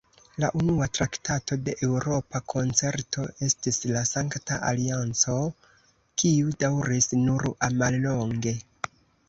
La unua traktato de Eŭropa Koncerto estis la Sankta Alianco, kiu daŭris nur mallonge.